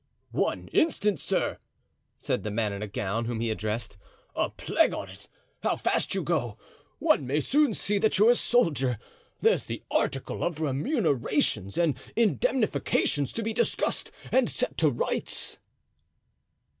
"One instant, sir," said the man in a gown, whom he addressed; "a plague on't! how fast you go! one may soon see that you're a soldier. There's the article of remunerations and indemnifications to be discussed and set to rights."